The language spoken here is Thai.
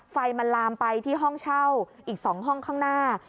ไฟมันลามไปที่ห้องเช่าอีก๒ห้องข้างหน้า